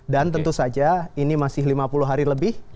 dan tentu saja ini masih lima puluh hari lebih